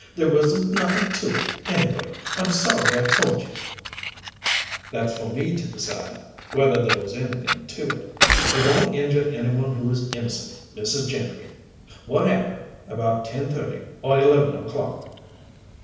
"There wasn't nothin' to it, anyway. I'm sorry I told you " "That's for me to decide whether there was anything to it. It won't injure any one who is innocent, Mrs. Gentry. What happened, about ten thirty or eleven o'clock."